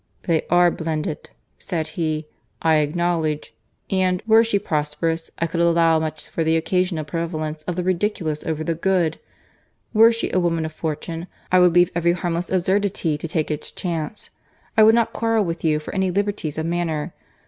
"They are blended," said he, "I acknowledge; and, were she prosperous, I could allow much for the occasional prevalence of the ridiculous over the good. Were she a woman of fortune, I would leave every harmless absurdity to take its chance, I would not quarrel with you for any liberties of manner.